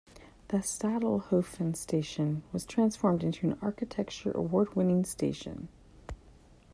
The Stadelhofen station was transformed into an architecture award-winning station.